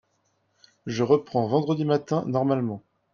Je reprends vendredi matin normalement.